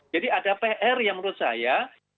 jadi ada pr yang menurut saya